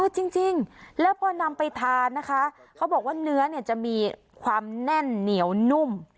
จริงแล้วพอนำไปทานนะคะเขาบอกว่าเนื้อเนี่ยจะมีความแน่นเหนียวนุ่ม